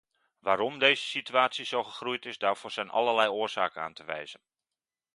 Waarom deze situatie zo gegroeid is, daarvoor zijn allerlei oorzaken aan te wijzen.